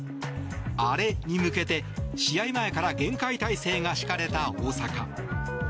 アレに向けて試合前から厳戒態勢が敷かれた大阪。